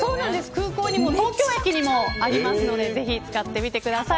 空港にも東京駅にもありますのでぜひ使ってみてください。